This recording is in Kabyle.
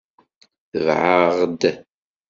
Tbeɛ-aɣ-d!